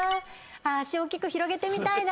足大きく広げてみたいな。